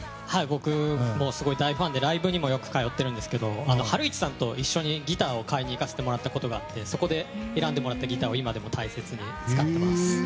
僕、すごい大ファンでライブにもよく通っているんですけど晴一さんと一緒にギターを買いに行かせてもらったことあがってそこで選んでもらったギターを今でも大切に使っています。